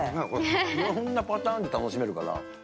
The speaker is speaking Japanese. いろんなパターンで楽しめるから。